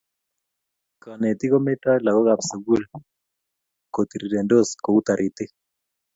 Kanetik kometoi lakokap sukul kotirirendos kou taritik